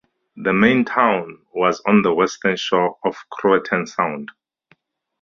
Their main town was on the western shore of Croatan Sound.